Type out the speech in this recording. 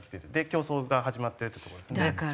競争が始まってるって事ですね。